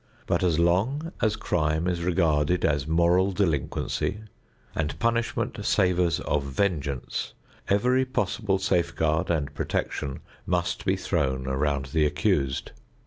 But as long as crime is regarded as moral delinquency and punishment savors of vengeance, every possible safeguard and protection must be thrown around the accused.